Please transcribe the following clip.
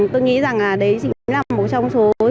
tôi nghĩ rằng đấy chính là một trong số